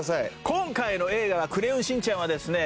今回の『映画クレヨンしんちゃん』はですね